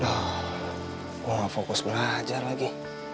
duh gue gak fokus belajar lagi